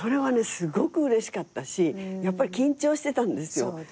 すごくうれしかったしやっぱり緊張してたんですよ。